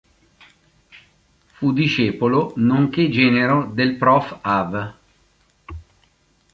Fu discepolo, nonché genero, del Prof. Avv.